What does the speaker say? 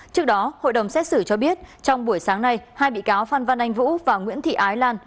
trước đó hội đồng xét xử cho biết trong buổi sáng nay hai bị cáo phan văn anh vũ và nguyễn thị ái lan